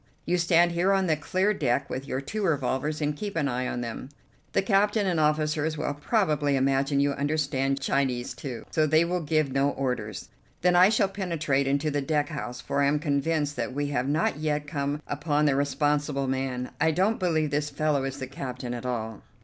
You stand here on the clear deck with your two revolvers and keep an eye on them. The captain and officers will probably imagine you understand Chinese, too, so they will give no orders. Then I shall penetrate into the deck house, for I am convinced that we have not yet come upon the responsible man. I don't believe this fellow is the captain at all."